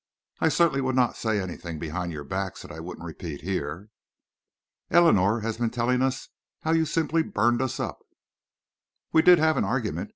"I certainly would not say anything behind your backs that I wouldn't repeat here." "Eleanor has been telling us how you simply burned us up." "We did have an argument.